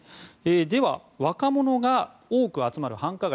では、若者が多く集まる繁華街